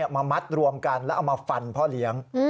มามัดรวมกันแล้วเอามาฟันพ่อเลี้ยง